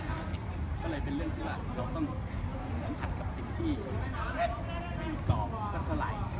ก็เลยเป็นเรื่องที่ว่าเราต้องสัมผัสกับสิ่งที่ไม่มีกองสักเท่าไหร่